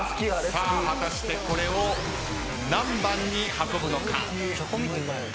さあ果たしてこれを何番に運ぶのか？